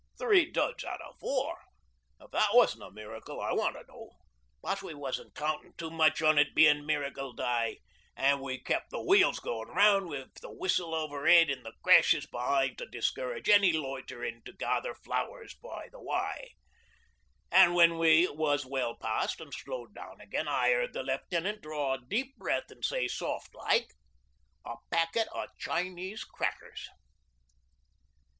Three duds out o' four if that wasn't a miracle I want to know. But we wasn't countin' too much on it bein' miracle day an' we kept the wheels goin' round with the whistle over 'ead an' the crashes behind to discourage any loiterin' to gather flowers by the way. 'An' when we was well past an' slowed down again I heard the Left'nant draw a deep breath an' say soft like "... a packet o' Chinese crackers."